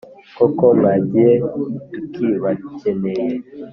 Koko mwagiye tukibakeneye